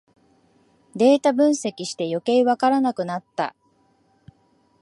データ分析してよけいわからなくなった